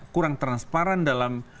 kurang transparan dalam